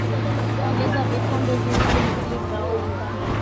ongeza vikombe viwili mbili vya unga